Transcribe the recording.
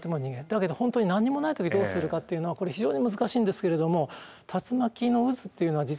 だけど本当に何にもない時どうするかっていうのはこれ非常に難しいんですけれども。